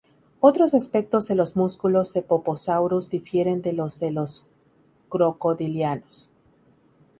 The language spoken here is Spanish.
Otros aspectos de los músculos de "Poposaurus" difieren de los de los crocodilianos.